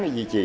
để duy trì